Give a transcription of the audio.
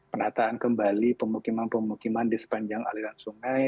penataan kembali pemukiman pemukiman di sepanjang aliran sungai